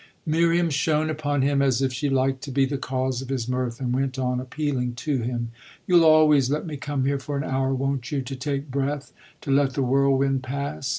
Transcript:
Miriam shone upon him as if she liked to be the cause of his mirth and went on appealing to him: "You'll always let me come here for an hour, won't you, to take breath to let the whirlwind pass?